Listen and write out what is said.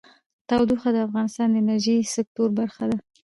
تودوخه د افغانستان د انرژۍ سکتور برخه ده.